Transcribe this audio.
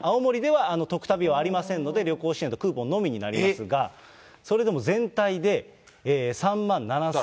青森ではトク旅はありませんので、旅行支援とクーポンのみになりますが、それでも全体で、３万７０００円になる。